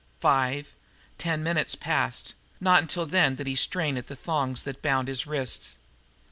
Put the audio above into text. Five, ten minutes passed, and not until then did he strain at the thongs that bound his wrists.